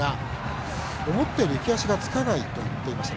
思ったより浮き足がつかないといっていました。